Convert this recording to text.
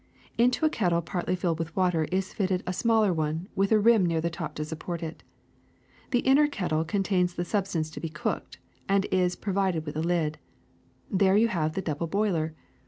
Into a kettle partly filled with water is fitted a smaller one with a rim near the top to support it. The inner kettle contains the substance to be cooked, and is provided with a lid. There you have the double boiler.